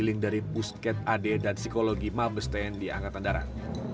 paling dari pusket ad dan psikologi mabesten di angkatan darat